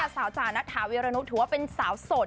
สาวจานทาเวียระนุษย์ถือว่าเป็นสาวโสด